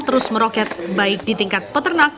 terus meroket baik di tingkat peternak